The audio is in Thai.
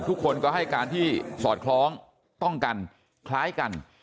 ทุกคนก็ให้การที่สอดคล้องต้องกันคล้ายกัน